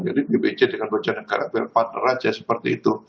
jadi bbc dengan pejabat negara berpartner aja seperti itu